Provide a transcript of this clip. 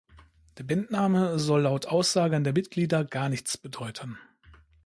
Der Bandname soll laut Aussagen der Mitglieder gar nichts bedeuten.